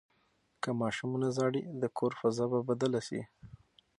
که ماشوم ونه ژاړي، د کور فضا به بدله شي.